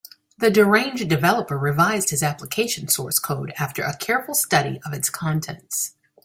The deranged developer revised his application source code after a careful study of its contents.